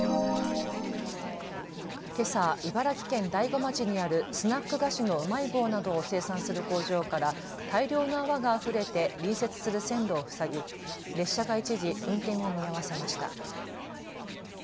けさ茨城県大子町にあるスナック菓子のうまい棒などを生産する工場から大量の泡があふれて隣接する線路を塞ぎ、列車が一時運転を見合わせました。